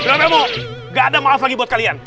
berapa emang nggak ada maaf lagi buat kalian